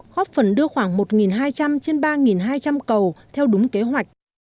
góp phần đưa khoảng một hai trăm linh trên ba hai trăm linh cầu theo đúng kế hoạch